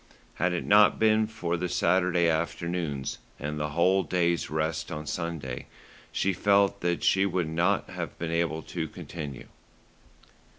Had it not been for the Saturday afternoons, and the whole day's rest on Sunday, she felt that she would not have been able to continue.